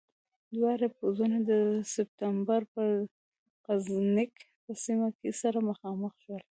دواړه پوځونه د سپټمبر پر د غزنيګک په سیمه کې سره مخامخ شول.